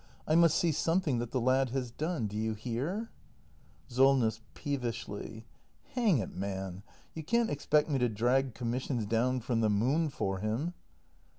I must see something that the lad has done. Do you hear ? SOLNESS. [Peevishly.] Hang it, man, you can't expect me to drag commissions down from the moon for him!